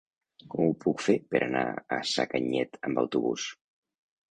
Com ho puc fer per anar a Sacanyet amb autobús?